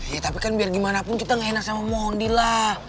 ya tapi kan biar gimana pun kita gak enak sama mondi lah